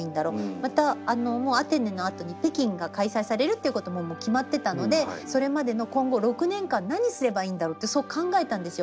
またもうアテネのあとに北京が開催されるっていうことも決まってたのでそれまでの今後６年間何すればいいんだろうってそう考えたんですよ。